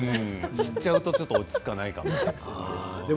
知ってしまうと落ち着かないかも。